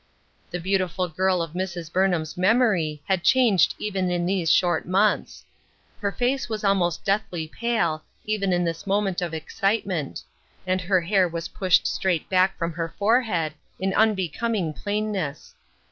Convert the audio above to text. The beautiful girl of Mrs. Burnham's memory had changed even in these short months. Her face was almost deathly pale, even in this moment of excitement ; and her hair was pushed straight back from her forehead, in unbecoming plainness.